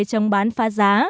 trong bán phá giá